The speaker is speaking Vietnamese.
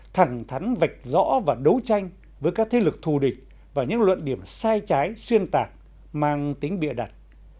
thẳng thắn vạch rõ và đấu tranh với các thế lực thù địch và những luận điểm sai trái xuyên tạc mang tính bịa đặt